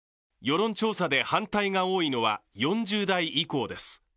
世論調査で反対が多いのは４０代以降です。